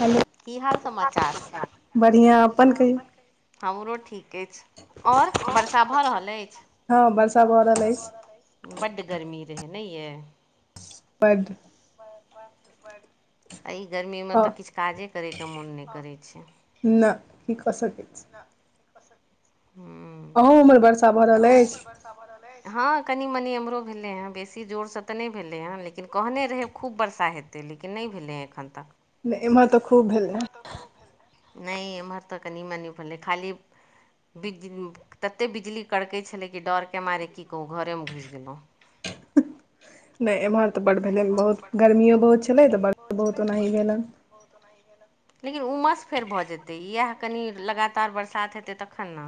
Hello की हाल समाचार [unintelligible] बढ़िआँ अपन कहियौ हमरो ठीक अछि आओर वर्षा भऽ रहल अछि की सब भऽ रहल अछि बड्ड गर्मी रहै नै यै बड्ड आ ई गर्मी मे ह तऽ किछ काजे करेके मोन नहि करै छै न की कऽ सकै छी न हू अहूँ उमर वर्षा भऽ रहल अछि हमरलै हँ कनि मनि एमहरो भेलै हँ बेसी जोरसँ तऽ नहि भेलै हँ लेकिन कहने रहै खूब बरषा हेतै लेकिन नहि भेलै एखन तक नै एमहर तऽ खूब भेलै नहि एम्हर तऽ कनि मनि भेलै खाली बिज तते बिजली कड़कै छलै कि डरके मारे की कहू घरेमे घुसि गेलहुँ नहि एम्हर तऽ बड्ड भेलै बहुत गर्मियो बहुत छलै तऽ बड़ बहुत ओनाही भेलनि बहु त म गेल [unintelligible] लेकिन उमस फेर भऽ जेतै इएह कनि लगातार बरसात हेतै तखन ने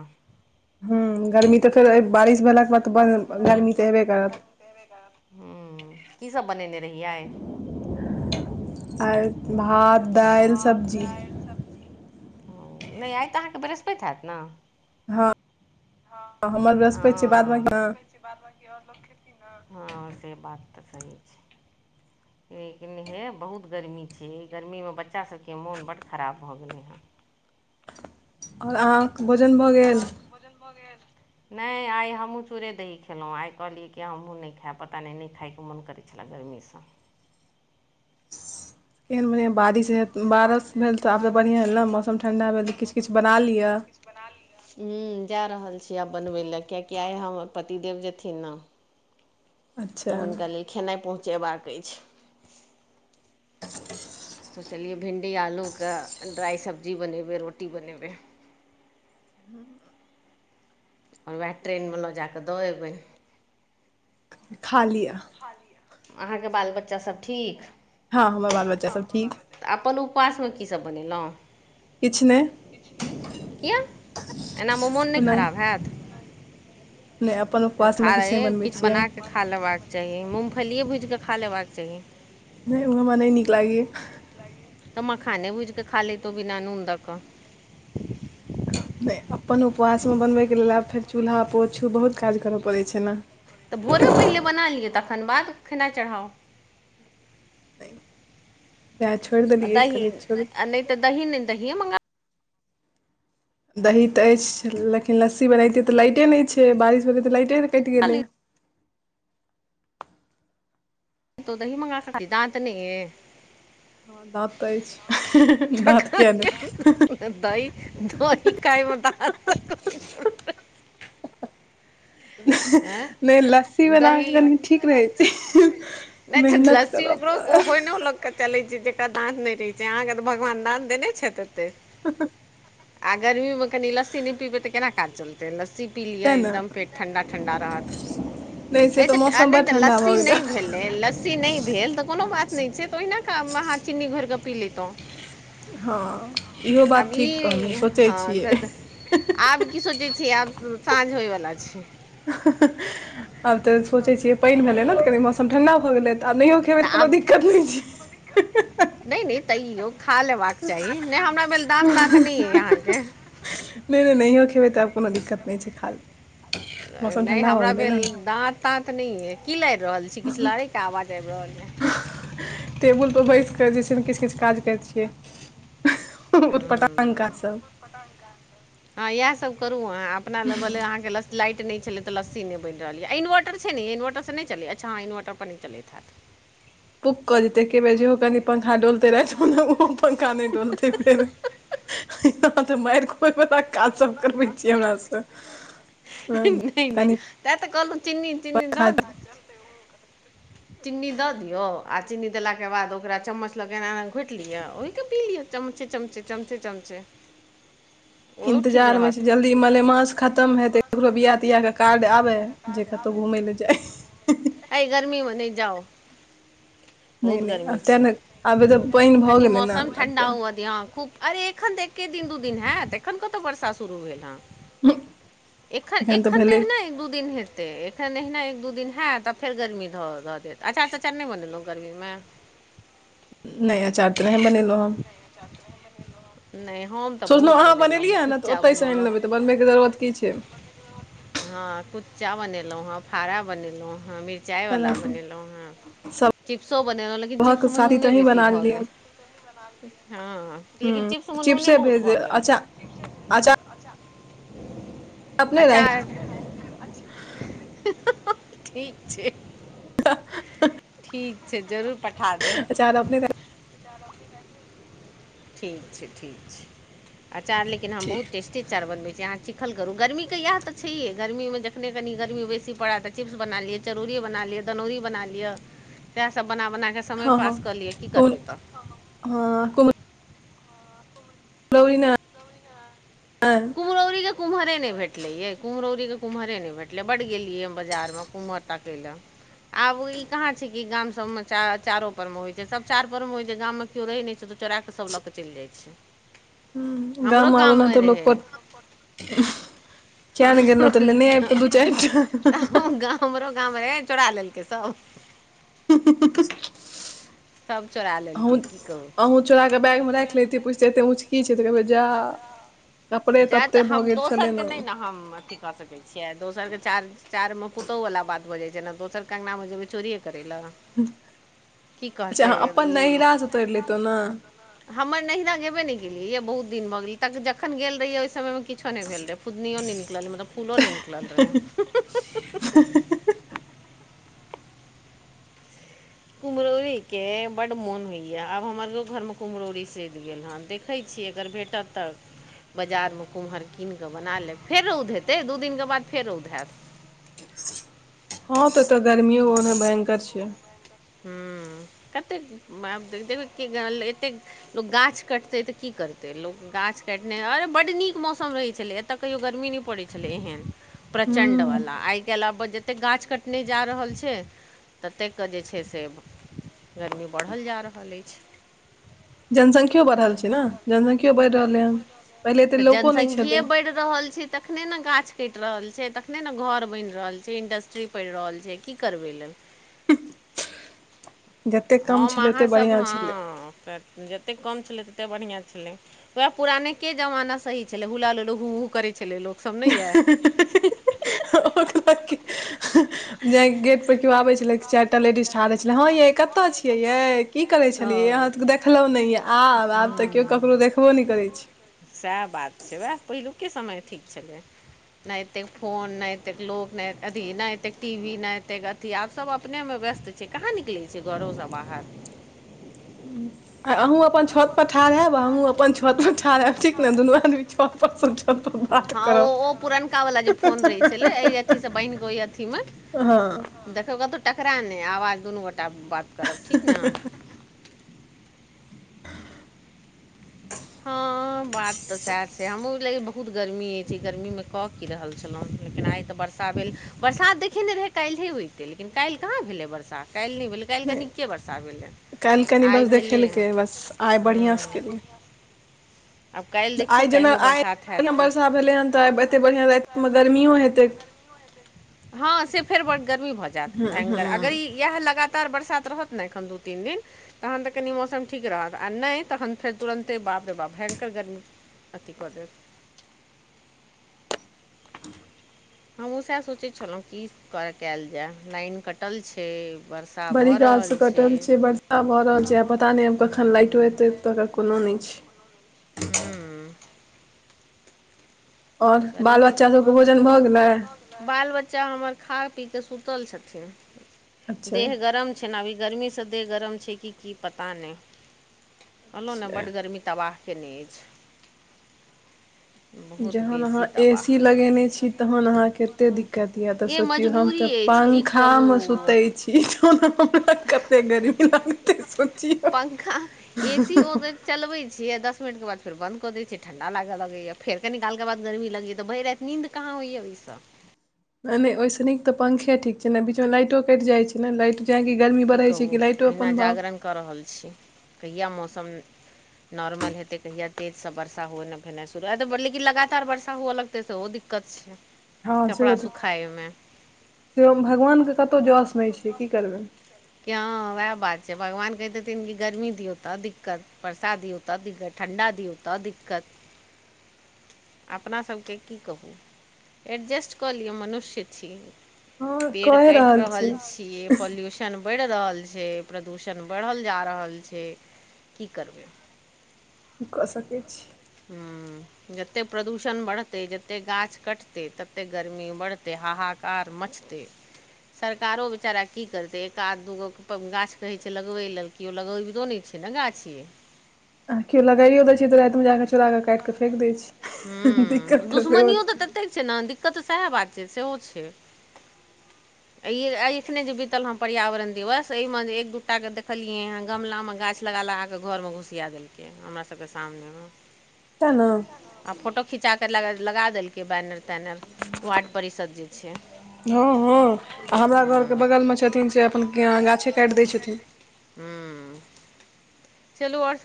हू गर्मी तऽ फेर बारिश भेलाके बाद तऽ ब गरमी तऽ हेबे करत ह कीसभ बनेने रहियै आर आइ भात दालि भात सब्जी दालि सब्जी। नहि आइ तऽ अहाँकेँ बृहस्पति हैत ने। हँ, हमर बृहस्पति छी बाद। हँ हँ, से बात तऽ सही छै। लेकिन हे बहुत गर्मी छै। गर्मीमे बच्चा सभके मोन बड्ड खराब भऽ गेलै हँ। आओर अहाँकेँ भोजन भऽ गेल। भोजन भऽ गेल? नहि आई हमहूँ चूरे दही खेलो आई कहलिये क हमू नहि खाय पता नहि नहि खाय के मोन करे। छलला गरमीसँ केहन बढ़िआँ बारिश बारिश भेल तऽ आब तऽ बढ़िआँ भेल ने मौसम ठण्डा भेल तऽ किछु किछु बना लिअ बना लिआ। हू, जा रहल छियै आब बनबय लए कियकि आइ हमर पतिदेव जेथिन ने। तऽ अच्छा हुनका लेल खेनाइ पहुँचे बाक अछि। [inaudible] त चलि भिण्डी आलू कऽ ड्राइ सब्जी बनेबै रोटी बनेबै हँ। आओर वएह ट्रेनमे लऽ जाकऽ दऽ अबै। खा लिआ। अहाँकेँ बाल बच्चासभ ठीक। हँ, हमर बाल बच्चा सभ ठीक तऽ अपन उपवास मे कीसभ बनेलहुँ किछु नहि किया एनामे मोन नहि ओनाहि खराब हैत। नहि अपन उपवास खा मे किछु नहि बनबैत छियै। बना कऽ खा लेबाके चाही मूँगफलियए भूजिके खा लेबाक चाही। नहि ओह हमरा नहि निक लागीया तऽ मखाने बुझके खाल लेतो बिना नून दैके नहि अपन उपवास मे बनबयके लेलऽ आब फेर चूल्हा पोछू बहुत काज करय पड़ै छै ने। तऽ भोरे पहिले बना लिआ तखन बाद खेना चढ़ाउ तै, छोड़ि आ देलियै, कहलियै छोड़। दही ने दही मंग। दही तऽ अछि, लेकिन लस्सी बनैतियै तऽ लाइटे नहि छै, बारिश भऽ गेलै तऽ लाइते नहि कट गेलै तो दही मगा कऽ खा [unintelligible] दाँत ने हँ, दाँत तऽ अछि, दाँत किया तखन नै दही, दही खायमे दऽ। आँय नहि, लस्सी बना के दही कनि ठीक रहै छै, नहि छै मेहनत लस्सी करऽ ओकरो ओहो पड़त नहि चलै छै, जेकरा दांत नहि रहै छै, अहाँकेँ तऽ भगवान दंत देने छै, छथि एते ह। आ गर्मी मे कनि लस्सी नहि पीबे तऽ केना काज चलते लस्सी पी लियए तैँ ने एकदम फेर ठण्डा। ठण्डा रहत, से नहि मौसम बड़ तऽ ठण्डा भऽ लस्सी नहि गेलै लस्सी नहि भेल तऽ, कोनो बात नहि छै, तऽ ओहिना खाउ माहा चीनी घोर कऽ पी लीतौ हँ, इहो बात आब ठीक कहलहूँ ई सोचै हँ छियै। तऽ आब की सोचै छै आब साँझ होयवला छै। आब तऽ सोचै छियै, पाइन भेलै ने तऽ कनि मौसम ठंडा भऽ गेलै तऽ आ नहि। एहिमे तऽ कोनो दिक्कत नहि छै नहि नहि तैयो खा लेबाक चाही नहि हमरा भेल दाँत ताँत नहि यइ अहाँके नहि नहि नहियो खेबै तऽ आब कोनो दिक्कत नहि छै खा ले नहि हमरा भेल दाँत दाँत नहियै की लाइड़ रहल छी किछ लड़ैके आवाज आबि रहल यऽ टेबुल पर बैसि कऽ जे छै ने किछ किछ काज करैत छियै उतपटांग हँ काज सब हँ इएह सभ करू अहाँ अपना लेबले अहाँके ल लाइट नहि छलै तऽ लस्सी नै बनि रहल ये आ इनवर्टर छै ने यै इनवर्टर से नहि चलै अच्छा हँ इनवर्टर पर नहि चलैत हैत पुक कऽ जेतै एके बेर जेहो कनि पंखा डोलतै रातिमे ओहो पंखा नहि डोलतै फेरो आहाँ तऽ मारि खुएबै वला काज सब करै नहि नहि कनि तेँ तऽ कहलू चीनी तिन्नी पंखा द चीनी दऽ दियौ आ चीनी देलाके बाद ओकरा चम्मच लो के एना एना घोटि लिअ ओहि के पी लिअ चमचे चमचे चमचे चमचे ओहु ठीक इंतजार मे रहत छी जल्दी मलेमास खतम हइ तऽ ककरो बियाह तिआहके कार्ड आबै जे कतौ घुमै लए जाइ [inaudible] अइ गर्मीमे नहि जाउ नहि खूब नहि गर्मी आब तें छै ने आब तऽ पानि भऽ कनी गेलै ने मौसम आब ठंडा हुअ दियौ हँ खूब अरे एखन तऽ एके दिन दू दिन हैत एखन कतऽ वर्षा शुरू भेल हन एखन एखन तऽ एहिने एक दू दिन हेतै ते एखन एहिना एक दू दिन हैत तऽ फेर गर्मी धऽ धऽ देत अँचार तँचार नहि बनेलौं गर्मीमे नहि अँचार तऽ नहि बनेलौं हँ नहि हम तऽ सोलौं बहुत अहाँ बनेलहुँ हँ बनेलियै हने तऽ कुच्चा ओतैसँ आनि बनेलहुँ लेबै तऽ बनबैके जरूरत की छै हँ कुच्चा बनेलौं हँ फाड़ा बनेलै हेँ मिर्च चाय तेना बला बनेलौं हँ चिप्सो बनेलौं लेकिन सभक चिप्समे शादी तऽ नूने अहीं बेसी बना भऽ लेलियै गेल हँ लेकिन ह चिप्समे नूने चिप्से बहुत भेज दे भऽ गेल अच्छा अचार अपने राखि अँचार [inaudible] ठीक छै [inaudible] ठीक छै जरूर पठा देब चार अपने [unintelligible] [inaudible] ठीक छै ठीक छै अँचार लेकिन हम ठीक बहुत टेस्टी अँचार बनबै छी अहाँ चिक खल करू गर्मीके इएह तऽ छैहे गर्मीमे जखने कनी गर्मी बेसी पड़ै तऽ चिप्स बना लिय चरौरीये बना लिय दनौरि बना लिय सैह सब बना बना कऽ समय हँ हँ पास कऽ लिअ की कहुन करबै तऽ हँ कहुन लौरीना [unintelligible] आँ कुम्हरौरी के कुम्हरे नै भेटले यै कुम्हरौरी के कुम्हरे नै भेटलै बड्ड गेलियै हम बजार मे कुम्हर ताकैल आब ई कहाँ छै कि गाम सभमे अँचारो बनबबै छै सभ अँचार मे होइ छै गाममे केओ रहै नहि छै तऽ चोराकऽ सब लऽ कऽ चलि जाइ छै हूंम्म हमरो गाममे आब ओनाहुतो लोक रहै को क्ये नहि गेलैं तऽ लेनेअबितेंं दू चारि टा हमरो गाँममे रहै चोरा लेलकै सब [unintelligible] सब चोरा ले अहूँ अहूँ चोराके बैगमे राखि लैतै पुछतै एते ऊँच की छै तऽ कहबै जा कपड़े जाय तऽ तते भऽ हम गेल छलै दोसरकेँ ने नहि नऽ हम अथी कऽ सकै दोसरके चार चार मऽ पुतोहुवला बात भऽ जाइ छै ने दोसरके अंगनामे जेबै चोरिये करै लऽ अच्छा अहाँ अपन ई नहिरासँ तोड़ि लेतहु नऽ हमर नैहिरा गेबे नहि केलियै यै बहुत दिन भऽ गेलै तक जखन गेल रहियै ओहि समय मऽ की किछो नहि भेल रहै फुदनियो नहि निकलल रहै मतलब फूलो नहि निकलल रहै [unintelligible] कुम्हरौरी के बड्ड मोन होइ यऽ आब हमरो घर म कुम्हरौरी सधि गेल हन देख देखै छियै अगर भेटत तऽ बाजारमे कुम्हर कीन कऽ बना लेब फेर रौद हेतै दू दिनकेँ बाद फेर रौद हैत हँ तऽ तऽ गर्मियो ओने भयंकर छै हुँ कतेक देख [unintelligible] लोक गाछ कटतै तऽ की करतै लोक गाछ काटने अरे बड्ड नीक मौसम रहैत छलै ए एतअ कहियौ गर्मी नइ परै छलै एहेन प्रचंड हूँ वाला आइ काल्हि आब जेते गाछ काटने जा रहल छै ततेक कऽ जे छै से गर्मी बढ़ल जा रहल अछि जनसंख्यो बढ़ल छै नऽ जनसंख्यो बढ़ि रहलै हन पहिले तऽ एतेक लोको नहि जनसंख्ये छलै बढ़ि रहल छी तखने नऽ गाछ कट रहल छै तखने नऽ घर बनि रहल छै इंडस्ट्री पैड़ रहल छै छै की करबै ओई लेल जते कम हम छलै ओते अहाँसभ बढ़िआँ छलै हँ तऽ जतेक कम छलै तते बढ़िआँ छलै उएह पुरानेके जमाना सही छलै हुला ला लू लू हू हू करै छलै लोकसभ नै यै ओकरा के [unintelligible] केओ आबे छले चारि टा लेडीज ठाढ़े रहै छलै हँ ये कतऽ छियै ये की करे हँ छलियै अहाँ सबकेँ दे देखलहु नै यै आब आब तऽ केओ ककरो देखबो नहि करै छै सैह बात छै उहै पहिलुके समय ठीक छलै नैय एतेक फोन नै एतेक लोको नहि अथी नैय एतेक टी वी नैय एतेक अथी आब सब अपनेमे व्यस्त छै कहाँ निकलै छै घरोसँ बाहर आ अहूँ अपन छत पर ठार हैब हमहूँ अपन छत पर ठार हैब ठीक न दुनू आदमी छत पर सँ छत पर ह बात हँ ओ करब ओ पुरनका वालला जे फोन रहै छलै एहि अथी सँ बानहि कऽ ओहि अथी म हँ देखौ कतौ टकरा नहि आवाज दुनू गोटा बात करब ठीक न हँ बात तऽ सैह छै हमू लेकिन बहुत गर्मी अछि गर्मी मे कऽ की रहलहु लेकिन आइ तऽ बरशा भेल बरसात देखेने रहे काल्हि होयइते लेकिन काल्हि कहाँ भेलै वर्षा काल्हि नहि भेलै काल्हि नहि कनीके वर्षा भेलै काल्हि कनि बस आइ भेलै हन देखेलकै बस आइ बढ़िआँसँ हूँ केलियै आब काल्हि देखियौ काल्हियो बरसात हैत कि भेले हन तऽ आब एते बढ़िया राति मे गर्मीयो हेतै हँ से फेर बड़ गर्मी भऽ जायत भयंकर अगर ई इएह लगातार बरसात रहत नऽ एखन दू तीन दिन तहन तऽ कनि मौसम ठीक रहत आ नहि तखन फेर तुरन्ते बाप रे बाप भयंकर गर्मी अभि कऽ देत हमहूँ सैह सोचै छलहुँं की क कयल जाय लाइन कट कटल छै वर्षा भऽ बड़ी काल रहल से छै कटल वर्षा भऽ हूँ ओतुका कोनो नहि छै हू आओर बाल गर्मी बच्चा सबके भोजन भऽ गेलै बाल बच्चा हमर खा पीकेऽ सुतल छथिन अच्छा देह गरम छैन अभी गर्मी स देह गरम छै कि की पता नहि कहलहुँ ने अच्छा बड्ड गर्मी तबाह केने अछि बहुत जहन अहाँ बेसी ए तबाह सी कने लगेने अछि छी तहन अहाँके एते दिक्कत यऽ तऽ ए सोचियौ हम मजबूरी तऽ अछि की पंखा कहू मे सुते छी तहन हमरा कते गर्मी लागते सोचियौ पंखा ए सी ओ त चलबै छियै दस मिनटके बाद फेर बन्द कऽ दै छियै ठण्डा लागऽ लगैया फेर कनि कालके बाद गर्मी लगैय तऽ भरि राति नीन्द कहाँ होइया ओहिसँ नै ओहिस नीक तऽ पंखे ठीक छै ने बीच मे लाइटो कटि जाइ छै ने लाइट जैयकि गर्मी की बढ़ै छै कहू कि लाइटो अहिना अपन भाव जागरण कऽ रहल छै कहिया मौसम नॉर्मल हेतै कहिया तेजसँ वर्षा हुए न भेनाइ‌ शुरू आ तऽ लेकिन लगातार वर्षा हुअ लगतै सेहो दिक्कत छै हँ सेहो कपड़ा तऽ सुखायमे सेहो भगवानके कतहुं जस नहि छै की करबै कि हँ वएह बात छै भगवान कहैत हेथिन कि गर्मी दियौ तऽ दिक्कत बर्षा दियौ त दिक्कत ठण्ढा दियौ त दिक्कत अपना सभके की कहू एडजस्ट कऽ लिअ मनुष्य छी हँ कये रहल छी ये पोल्यूशन प्रदूषण बढ़ि रहल छै प्रदूषण बढ़ल जा रहल छै की करबै की कऽ सकैत छी हूँ जतेक प्रदूषण बढ़तै जतेक गाछ कटतै ततेक गर्मी बढ़तै हाहाकार मचतै सरकारो बेचारा की करतै एक आध दूगो गाछ कहैत छै लगबै लेल केओ लगबितो नहि छै न गाछ यै आ केओ लगाइयो दैत छै तऽ रातिमे जा कऽ चोरा क काटि कऽ फेक दैत छै ह्ह ह्ह दिक्कत तऽ सेहो छै तै छै न दिक्कत तऽ सएह बात छै सेहो छै आ ई एखने जे बीतल हं पर्यावरण दिवस एहिमे जे एक दू टा के देखलियै हं गमला मे गाछ लगा लगाकऽ घरमे घुसिया देलकै हमरा सबके सामनेमे तै न आ फोटो खिचा कऽ लगा देलकै बैनर पैनल वार्ड परिषद जे छै हँ हँ आ हमरा घरके बगलमे छथिन से अपन गाछे काटि दै छथिन ह्म चलू और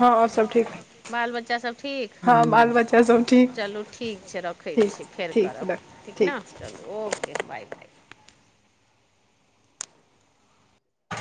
हँ और सब ठीक बाल बच्चा सभ ठीक हँ बाल बच्चा सब ठीक चलू ठीक छै रखै छियै रखैत छी ठीक फेर ठीक करब रख ठीक न चलू ओके बाय बाय